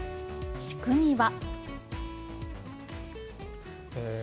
仕組みは。